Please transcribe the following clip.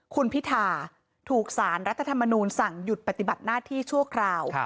คุณพิธาถูกสารรัฐธรรมนูลสั่งหยุดปฏิบัติหน้าที่ชั่วคราว